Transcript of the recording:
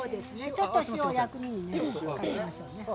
ちょっと塩を薬味にかけましょうね。